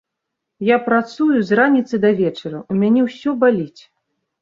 Я працую з раніцы да вечара, у мяне ўсё баліць.